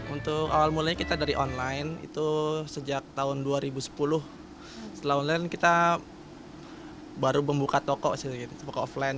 untuk awal mulanya kita dari online itu sejak tahun dua ribu sepuluh setelah online kita baru membuka toko sih buka offline